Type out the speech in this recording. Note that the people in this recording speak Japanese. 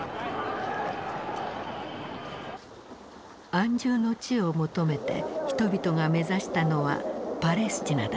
安住の地を求めて人々が目指したのはパレスチナだった。